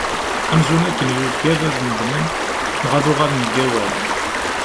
Amzun akken yuggad ad nedmen, neɣ ad uɣalen deg wawal.